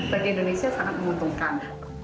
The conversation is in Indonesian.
bagi indonesia sangat menguntungkan